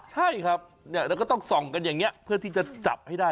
ใช่ครับแล้วก็ต้องส่องกันอย่างนี้เพื่อที่จะจับให้ได้